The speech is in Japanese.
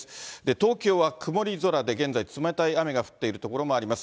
東京は曇り空で、現在、冷たい雨が降っている所もあります。